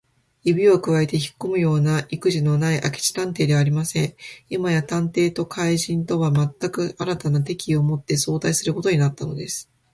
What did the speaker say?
指をくわえてひっこむようないくじのない明智探偵ではありません。今や探偵と怪人とは、まったく新たな敵意をもって相対することになったのです。